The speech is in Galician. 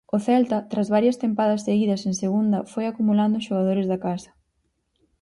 O Celta, tras varias tempadas seguidas en Segunda, foi acumulando xogadores da casa.